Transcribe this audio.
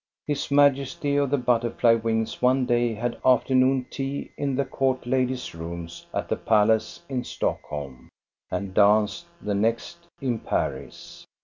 His Majesty of the butterfly wings one day had afternoon tea in the court ladies' rooms at the palace in Stockholm, and danced the next in Paris.